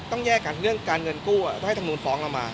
ต้องแยกกันเรื่องการเงินกู้ต้องให้ธรรมนูลฟ้องเรามา